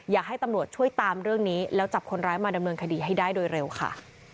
อยากให้ตำรวจช่วยตามเรื่องนี้แล้วจับคนร้ายมาดำเนินคดีให้ได้โดยเร็วค่ะ